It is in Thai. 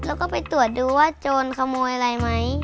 แล้วก็ไปตรวจดูว่าโจรขโมยอะไรไหม